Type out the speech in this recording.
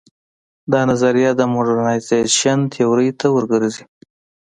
دا نظریه د موډرنیزېشن تیورۍ ته ور ګرځي.